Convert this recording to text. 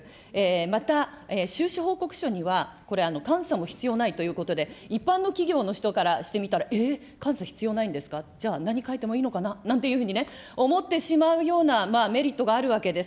また、収支報告書には、これ、監査も必要ないということで、一般の企業の人からしてみたら、えっ、監査必要ないんですか、じゃあ、何書いてもいいんですか、なんていうふうに思ってしまうようなメリットがあるわけです。